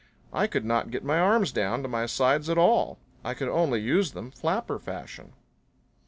I could not get my arms down to my sides at all. I could only use them flapper fashion.